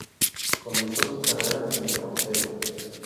Comenzó su carrera como portero.